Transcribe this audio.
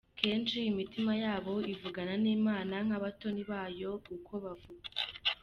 Kenshi imitima yabo ivugana n’Imana nk’abatoni bayo uko bavuga.